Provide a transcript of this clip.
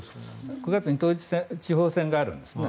９月に統一地方選があるんですね。